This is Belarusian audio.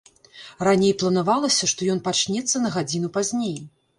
Раней планавалася, што ён пачнецца на гадзіну пазней.